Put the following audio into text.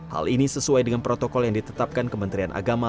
hal ini sesuai dengan protokol yang ditetapkan kementerian agama